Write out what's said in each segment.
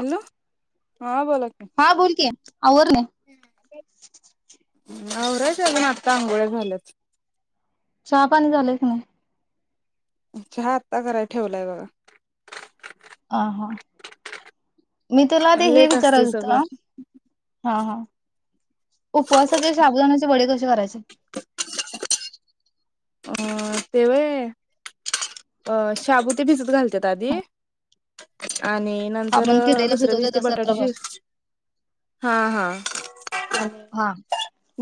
Hello हां बोला. की हां बोल की आवरलं. आवरायचं आहे अजून आता आंघोळ्या झाल्यात. चहा पाणी झालंय की नाही? चहा आत्ता कराय ठेवलाय बघा. हां हां मी तुला ते हे लेट असते विचारलतो सगळं हां हां. उपवासाचे साबुदाण्याचे वडे कसे करायचे? अ ते व्हय. अ शाबू ते भिजत घालत्यात आधी. आणि नंतर आपण केलेलं दुसऱ्या दिवशी भिजवतोय ते तसं बटाटा शि रात्रभर हां हां हा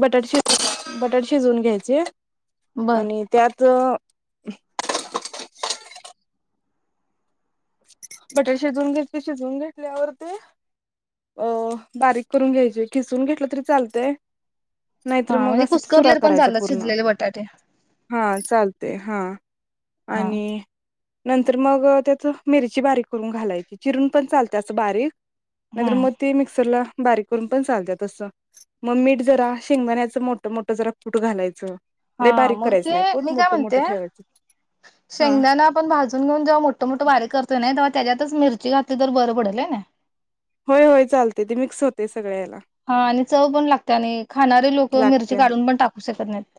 बटाटा शि बटाटा शिजवून घ्यायचे बर आणि त्यात, त बटाटा शिजून घेतल शिजवून घेतल्यावर ते अ बारीक करून घ्यायची खिसून घेतलं तरी चालतय नाहीतर हा मग म्हणजे असं चुरा कुसकरलेले पण करायचा चालतात पूर्ण शिजलेले बटाटे हा चालत ते हां हा आणि नंतर मग त्याचं मिरची बारीक करून घालायची चिरून पण चालते असं बारीक नंतर हम्म मग ते मिक्सरला बारीक करून पण चालत तसं मग मीठ जरा शेंगमण्याच मोठ मोठं जरा कुट घालायचं हा लई बारीक करायचं नाही खठ मोठं मोठ ठेवायचं हा शेंगदाना आपण भाजून घेऊन जेव्हा मोठ मोठं वारे करतो नाही ते त्याच्यातच मिरची घातली तर बरं पडलय कनी होय होय चालते ते मिक्स होतय हा आणि चव पण लागते आणि खाणारे लोक मिरची लागत्या काढून पण टाकू शकत नाहीत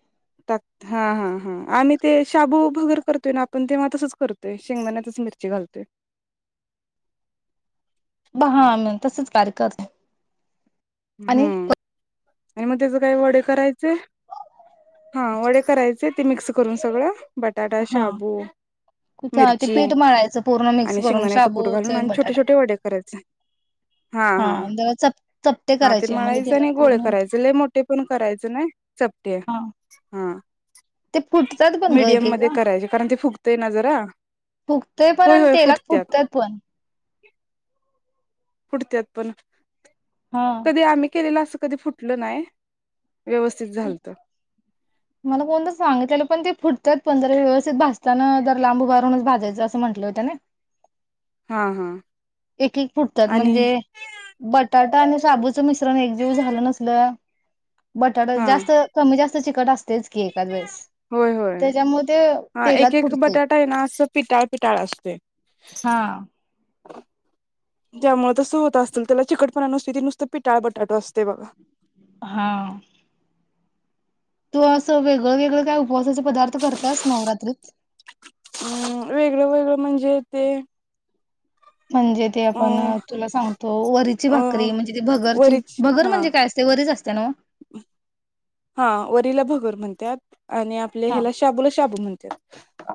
टाक हा हा हा आम्ही ते शाबू वगर करतोय ना आपण तेव्हा तसच करतोय शेंगदाण्या मिर्ची घालतोय बा म तसच कार्य करते आणि हम्म आणि मग त्याच काय वडे करायचेय हा वडे करायचे ते मिक्स करून सगळं बटाटा हा शाबू कुठं ते मिरची पीठ मळायचं पूर्ण मिक्स आणि करून शेंगदाण्याच शाबू कूट घालून चण आणि छोटे बटाटा छोटे वडे करायचे हा जरा चपटे हा ते करायचे म्हणजे म्हळायचं तेलात नाही गोळे पूर्ण होत करायचे ल मोठे पण करायचं नाही चपटे हा ते फुटतात पण ग एक मीडियम एकदा मध्ये करायचे कारण ते फुकतय ना जरा फुकतय पण होय आणि होय तेलात फुटत्यात फुटतयत पण [unintelligible] पुटत्यात पण हा कधी आम्ही केलेलं असं कधी फुटलं नाही व्यवस्थित झालत मला कोणतर सांगितलं पण ते फुट त्यात पंण जरा व्यवस्थित भासताना जर लांब उबारहूनच भाजायचं असं म्हटलं होतं ना हा हा एक एक फुटतात आणि म्हणजे बटाट आणि साबूचं मिश्रण एक जीव झालं नसल बटाटा हा जास्त कमी जास्त चिकट असत तेच की एकादवस होय होय ह एक एक फुटते बटाटा आहे ना असं पिटाळ पिटाळ असते हा त्यामुळेळ तसं होत असेल त्याला चिकटपणा नुस त नुसतं पिटाळ बटाटा असतय बघा हा तू असं वेगळं वेगळं काय उपवासाचे पदार्थ करतास नवरात्रीत हम् वेगळं वेगळं म्हणजे ते म्हणजे ते अ आपण तुला सांगतो वरीची अ भाकरी म्हणजे ती भगरची वरीच भगर हा म्हणजे काय असते वरीच असते नव्ह? हा वरिला भगर म्हणतात आणि आपले हा ह्याला शाबूला शाबू म्हणत्यात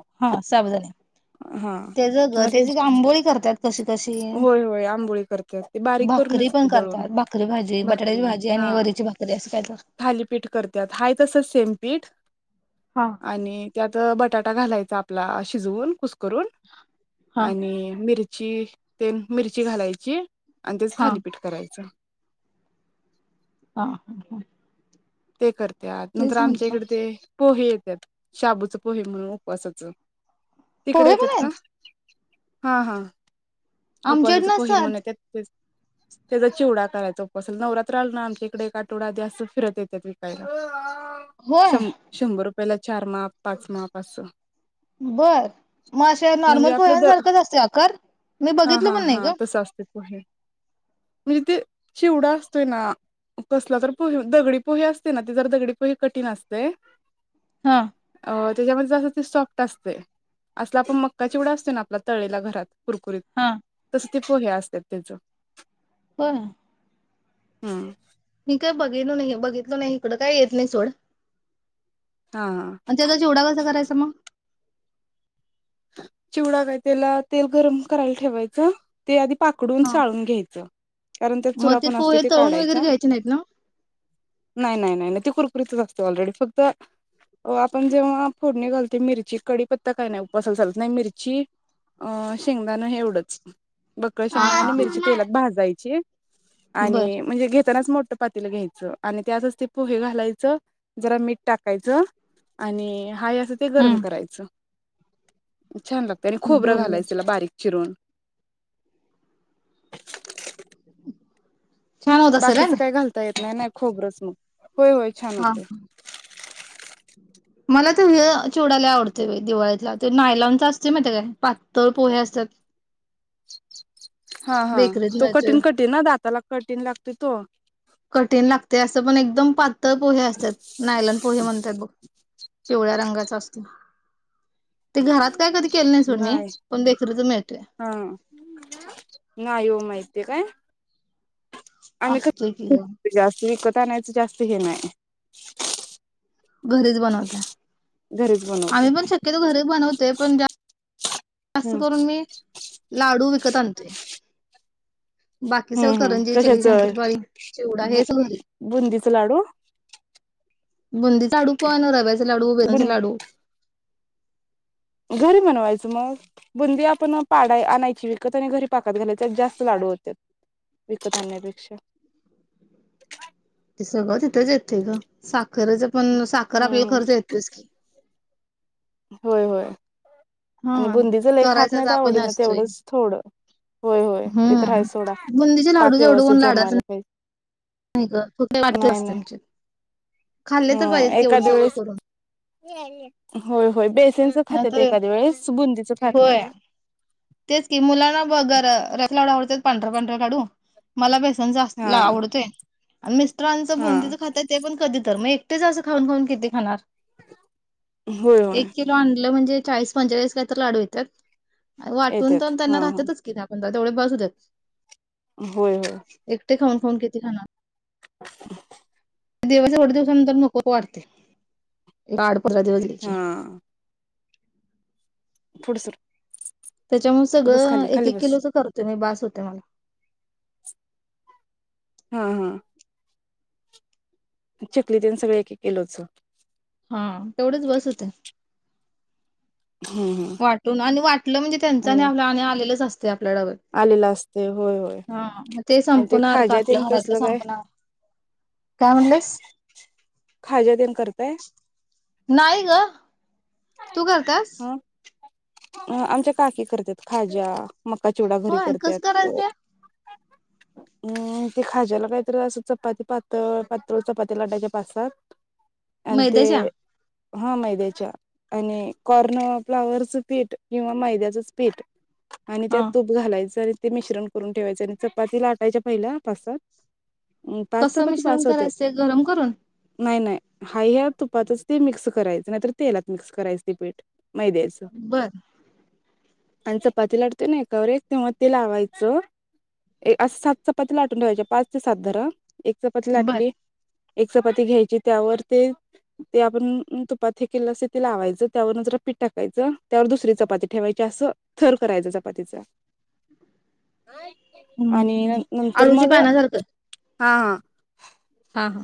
त्या ज ग त्याजी आंबोळी करत्यात कशी कशी होय होय आंबोळी करतात ते बारीक भाकरी करूनच की पण दळून करतात भाकरी भाजी बटाट्याची भाकरी भाजी हा आणि वरची भाकरी असं काय तर थालीपीठ करतात हा तस सेम पीठ हा आणि त्यात बटाट आ घालायचा आपला शिजवून कुस करून हा आणि मिर मिरची घालायची आणि त्याच हा थालीपीठ करायच ह हा हा ते करत्यात नंतर आमच्या इकडे ते पोहे येतात शाबूच पोहे म्हणून उपवासाचं तिकडे पोहे पण येतात का आहेत हा हा आमच्याकडे उपवासाच पोहे म्हण नसतात त्यात त्याचा चिवडा करायचा असल नवरात्र आल ना आमच्या इकडे आठवडा आदी फिरत येत विकायला होय शं शंभर रुपयाला चार माप पाच माप असं बर मग अे म्हणजे नॉर्मल आपलं पोयान द झाल का आसतोय आकार मी हा बघितलं हा पण नाही हा ग तसं असते म्हणजे ते शिवडा असतोय ना कसला तर दगडी पोहे असते ना त जर दगडी पोहे कठीण असते हा त्याच्यामध्यें ती सॉफ्ट असते असलं आपण मक्काचीिवडा असतो ना आपल्या तळेला घरात कुरकुरीत हा तस ते पोहे्या असतात त्याच ब हम् काही बघितल नाही बघितलो नाही इकडं काय येत नाही सोड हा हा आणि त्याचा चिवडा कसा करायचा मग चिवडा काय त्याला तेल गरम करायला ठेवायच ते आध पाकडून हा. साळून घ्यायचं कारण त्यात मग चुरा पण असतो पोहे ते तळून वगैरे काढायचा घ्यायचे नाहीत ना? नाही नाही नाही नाही कुरकुरीतच असते ऑलरेडी फक्त आपण जेव्हा फोडणी घालते मिरची कडीपत्ता काय नाही. ऊपासाला चालत नाही मिरची अ शेंगदाण हे एवढंच. बक हा शेंग आणि मिरची हा. तेलात भाजायची बर आणि म्हणजे घेतानाच मोठ. चपातीला घ्यायचं आणि त्यातच ते पोहे घालायचं जरा मीठ टाकायचं. आणि हाय असं ते गरम हम्म. करायचं. छान लागते आणि खोबरं बरोबर घालायचला बारीक चिरून. [inaudible] असेल हाय बाकीच ना? काय घालता येत नाही नाही खोबरच मग होय होय छान हा. होतेय. मला ते चिवडा आवडतेय बाई दिवाळीतला ते नायलांच असते म ते काय पातळ पोहे असते. [inaudible] हा हा तो कठीण कठीण दाताला कठीण लागते तो. कठीण लागते असं पण एकदम पातळ पोहे असतात नायलन पोहे म्हणतात बघ पिवळ्या रंगाचा असतो. ते घरात काय कधी केलं नाही सोड मी पण बेकरीच मिळतोय हा नाही येऊ माहित आहे काय आम्ही क असतोय की ग जास्त विकत आणयच जास्त हे नाही. घरीच बनवताय. घरीच बनवते. आम्ही पण शक्यतो घरी बनवतोय पण. अस हम्म करून मी लाडू विकत आणते. बाकी हम्म सगळ हम्म करंजी चली कशाच शंकरपाळी चिवडा बु हे सगळ घरी. बुंदीच लाडू ह बुंदीचा लाडू पण रब्याचे लाडू बेसनचे बुं लाडू घरी बनवायचं मग बुंदीआपण पाडा आणायची विकत आणि घरी पाकत घालायच्यात जास्त लाड विकत आण्यापेक्षा ह [inaudible] ते सगळं तिथंच येतं ग साखरच पण साखर आपला हम्म खर्च येतोच की. होय होय. हा आणि बुंदीच लय खात करायचच नाहीत आपण आवडीनं असतोय. तेवढंच थोडं होय होय ते तर हाय हम्म सोडा. बुंदीचे लाडू पाक जेवढं व्यवस्थित कोण लाडाच नाही. जमायला पाहिजे नाही ग वाट नाही असते नाही आ खाल्ले तर पाहिजेत ह की एवढं एखाद्या सगळं वेळेस करून होय होय बेसनच खात येत नाहीतर एखाद्या वेळेस बुंदच खात होय नाही. तेच की मुलांना बगर रत लावडा आवडत पांढर्या पांढर्या काढू मला बेस हा आवडय म्रां हा भंदीच खातय ते पण कधी तर मग तेच असं खाऊन खाऊन किती खाणार. होय, होय. म्हण चाळीस पचेचलीस लाडू येत्यात वाटून येतात त्यांना हा हा राहत्यात दहा पंधरा तेवढे बस होत्या. होय होय. ते खाऊन खाऊन किती खाणार? [unintelligible] दिवाळीच एवढं दिवसानंतर नको वाटतंय एक आठ-पंधरा दिवस गेलं की. हा फुढं सर. त्याच्यामुळे बस सगळं खाली एक खाली एक बस किलोचं करतोय मी बास. होतय मला. हा हा. चकली तेन सगळं एक एक किलोच. हा तेवढेचं बस होतंय. हम्म हम्म वाटून आणि वाटलं म्हणजे त्यांचं आणि आपल्याला आलेलंच असतयं. आपल्या डब्यात आलेला असते होय होय हा. ते आणि संपणार का? खाज्या आपल्या तेन घरातलं तसलं काय संपणार? काय म्हणलीस खाज्या तेन करताय नाही ग तू करत्यास अ आमच्या काकी करत्यात खाजा, मक्का चिवडा घरी होय कसं करत्यात. करायचं? [inaudible] अं ते खाज्याला काहीतरी असं चपाती पातळ पातळ चपात्या लाटायच्या पाच-सात आणि ते मैद्याच्या हा मैद्याच्या आणि कॉर्न फ्लावरर्स पीठ किंवा मैद्याचंच पीठ आणि हा त्यात तूप घालायचं ते मिश्रण करून ठेवायचे आणि चपाती लाटायच्या पहिल्या पाच-सात पाच कसं चपाती मिश्रण बास होत्यात. करायचं गरम करून नाही नाही हाय ह्या तुपातच ते मिक्स करायचं नाहीतर तेलात मिक्स करायचं ते पीठ मैद्याचं बर आणि चपाती लाटतोय ना एकावर एक तेव्हा ते लावायचं असं सात चपाती लाटून ठेवायची पाच ते सात धरा एक चपाती बर लाटली एक चपाती घ्यायची त्यावर ते ते आपण तुपात हे केलंल असतय ते लावायचं त्यावरन् जरा पीठ टाकायचं त्यावर दुसरी चपाती ठेवायची असं थर करायचं चपातीच आणि हम्म नंतर आळूच्या मग पानासारखं हा ह हा हा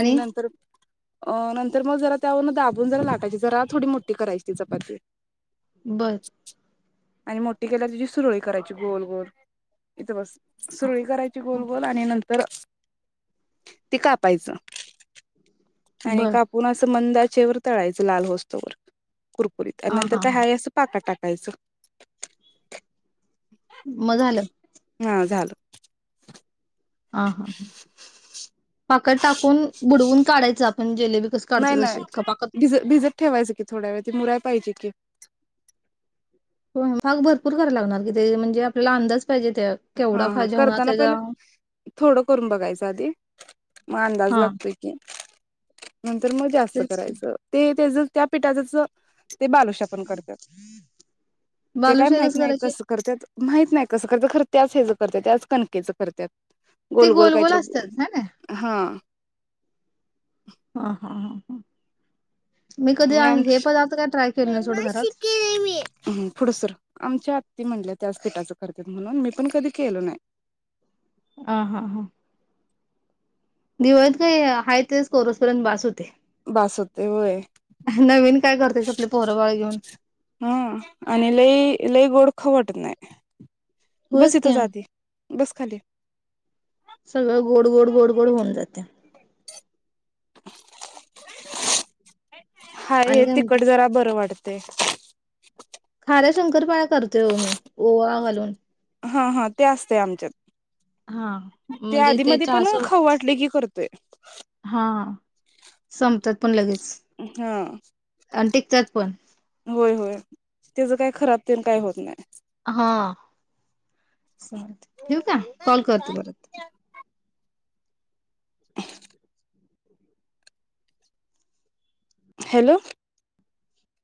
आणि नंतर अं नंतर मग जरा त्यावरून दाबून जरा लाटायची, जरा थोडी मोठी करायची चपाती बर आणि मोठी केल्यावर तेजी सुरळी करायची गोल गोल इथं बस सुरळी करायची गोल गोल आणि नंतर ते कापायचं आणि बर कापून असं मंद आचेवर तळायचं लाल होस्तोवर कुरकुरीत हा नंतर हा काय हा आहे असं पाकात टाकायचं. मग झालं हा झालं आ. हा. पाकत टाकून बुडवून काढायचं आपण जेलेबी कस नाही काढतोय तशी का पाकात त्यावेळी ते मुराय पाहिजे की भाग भरपूर कराय लागणार की ते म्हणजे आपल्याला अंदाज पाहिजे त्या हा केवढा हा खाजा होणार करताना त्याचा पहिला थोडं करून बघायचं आधी मग अंदाज हा लागतोय की नंतर मजा असत्या तेच की. करायचं ते त्याजेच त्या पिठाचं ते बालुशा पण करत्यात ते काय बालुशाही माहत नाही करायची कसं करतात माहित नाही कसं करत्यात खर त्याच हेज करत्यात, त्याच कणकेचं करत्यात. ते गोल गोल कायतर असतात हा ना हा हा हा हा मी कधी आणि हे आमची पदार्थ काय ट्राय केले नाही सोड घरात [unintelligible] आमच्या आत्ती म्हणल्या त्याच पीठाच करत्यात म्हणून मी पण कधी केलो नाही. आ हा हा. दिवाळीत काय आहेा तेच कोरसपर्यंत बास होते. बास होतय होय. नवीन काय करतेस आपली पोरं बाळ घेऊन. हम आणि लई लई गोड खाउ वाटत नाही. बस होयच की इथच आधी बस खाली. सगळं गोड गोड गोड गोड होऊन जाते. हा आणि हे काय तिकट म्हणतेस? जरा बरं वाटत ते. सध्या शंकरपाळ्या करतोय ओ मी ओवा घालून. हा हा ते असतंय आमच्यात हा त्या म्हणजे ते आधीमध्ये चहा पण सो खववाटले की करत तोय. हा संपतात पण लगेच. हा. त्यात पण. होय होय, तेज काही खराब तेण काही होत नाही. हा. ठेवू का कॉल करते परत. [unintelligible] हॅलो.